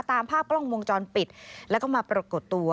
ตามภาพกล้องวงจรปิดแล้วก็มาปรากฏตัว